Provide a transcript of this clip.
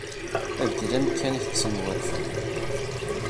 Beddel amkan ad ak-kksen wurfan.